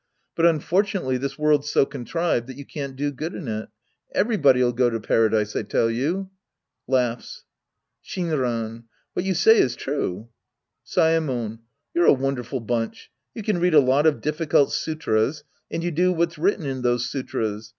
But un fortunately this world's so contrived that you can't do good in it. Everybody'U go to Paradise, I tell you. {Laughs^ Shinran. What you say is true. Saemon. You're a wonderful bunch. You can read a lot of difficult sutras. And you do what's written in those sutras.